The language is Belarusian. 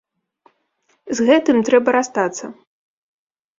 З гэтым трэба расстацца.